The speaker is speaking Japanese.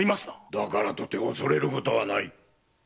だからとて恐れることはない。